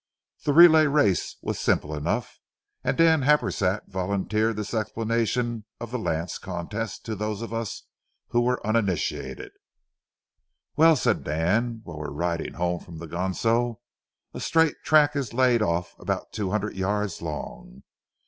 The relay races were simple enough, and Dan Happersett volunteered this explanation of a lance contest to those of us who were uninitiated:— "Well," said Dan, while we were riding home from the Ganso, "a straight track is laid off about two hundred yards long.